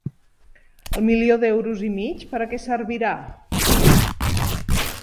El milió d'euros i mig per a què servirà?